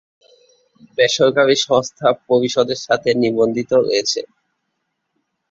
বেসরকারী সংস্থা পরিষদের সাথে নিবন্ধিত রয়েছে।